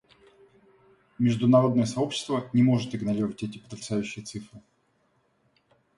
Международное сообщество не может игнорировать эти потрясающие цифры.